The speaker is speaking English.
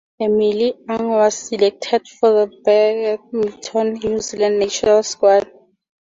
Emily Ang was selected for the Badminton New Zealand National Squad.